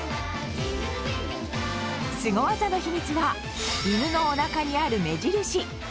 すご技の秘密は犬のおなかにある目印。